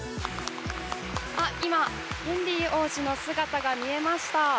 今、ヘンリー王子の姿が見えました。